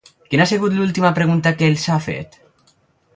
Quina ha sigut l'última pregunta que els ha fet?